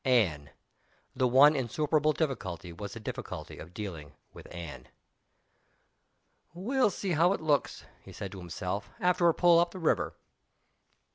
Anne! The one insuperable difficulty was the difficulty of dealing with Anne. "We'll see how it looks," he said to himself, "after a pull up the river!"